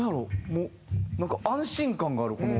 もうなんか安心感があるこの。